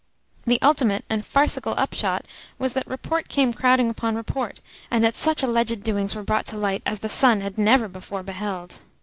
The ultimate and farcical upshot was that report came crowding upon report, and that such alleged doings were brought to light as the sun had never before beheld.